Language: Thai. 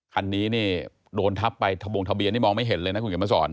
คันนี้นี่โดนทับไปทะบงทะเบียนนี่มองไม่เห็นเลยนะคุณเขียนมาสอน